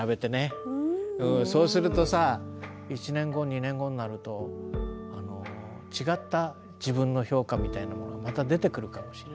そうするとさ１年後２年後になると違った自分の評価みたいなものがまた出てくるかもしれない。